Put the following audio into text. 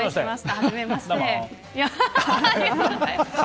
はじめまして。